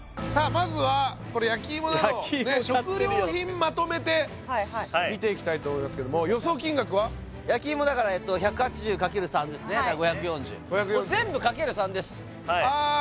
まずはこれ焼き芋など食料品まとめてみていきたいと思いますけども予想金額は焼き芋だからえっと１８０×３ですねだから５４０全部×３ですあー